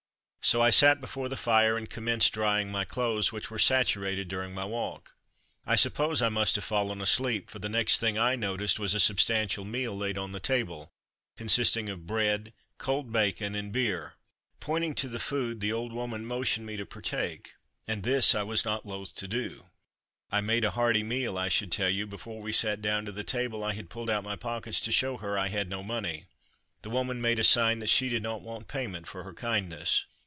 So I sat before the fire, and commenced drying my clothes, which were saturated during my walk. I suppose I must have fallen asleep, for the next thing I noticed was a substantial meal laid on the table, consisting of bread, cold bacon, and beer. Pointing to the food the old woman motioned to me to partake, and this I was not loath to do. I made a hearty meal. I should tell you, before we sat down to the table I had pulled out my pockets to show her I had no money. The woman made a sign that she did not want payment for her kindness.